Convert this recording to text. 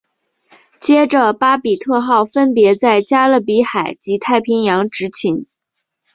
接着巴比特号分别在加勒比海及太平洋执勤。